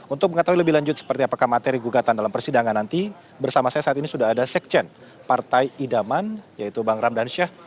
untuk mengetahui lebih lanjut seperti apakah materi gugatan dalam persidangan nanti bersama saya saat ini sudah ada sekjen partai idaman yaitu bang ramdan syah